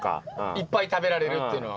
いっぱい食べられるっていうのは。